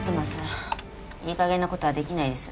いい加減な事はできないです。